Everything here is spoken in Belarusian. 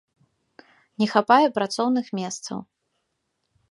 Не хапае працоўных месцаў.